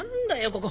ここ。